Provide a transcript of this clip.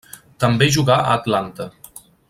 També jugà a Atlanta.